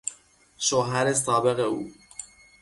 شوهر سابق او